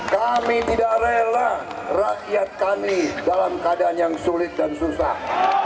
kami tidak rela rakyat kami dalam keadaan yang sulit dan susah